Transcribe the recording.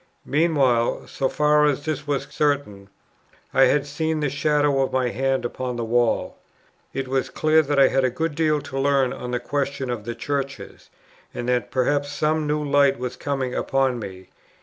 Meanwhile, so far as this was certain, I had seen the shadow of a hand upon the wall. It was clear that I had a good deal to learn on the question of the Churches, and that perhaps some new light was coming upon me.